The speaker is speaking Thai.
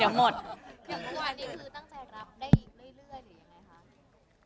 อย่างกว่านี้คือตั้งใจรับได้อีกเรื่อยหรือยังไงคะ